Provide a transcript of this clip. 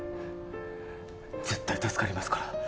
絶対助かりますから。